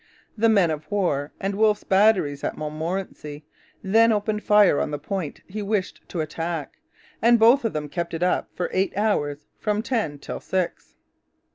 The men of war and Wolfe's batteries at Montmorency then opened fire on the point he wished to attack; and both of them kept it up for eight hours, from ten till six.